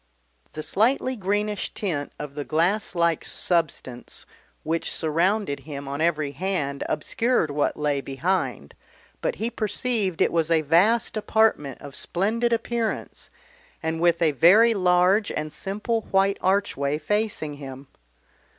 The slightly greenish tint of the glass like substance which surrounded him on every hand obscured what lay behind, but he perceived it was a vast apartment of splendid appearance, and with a very large and simple white archway facing him.